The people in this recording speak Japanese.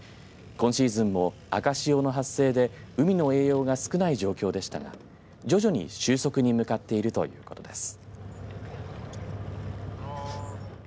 今シーズンも赤潮の発生で海の栄養が少ない状況でしたが徐々に収束に向かっているということです。